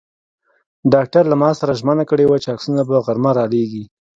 ډاکټر له ما سره ژمنه کړې وه چې عکسونه به غرمه را لېږي.